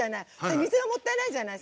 水がもったいないじゃない。